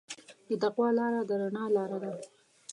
د تقوی لاره د رڼا لاره ده.